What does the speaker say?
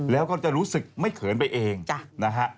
แล้วก็จะรู้สึกไม่เขินไปเองนะฮะ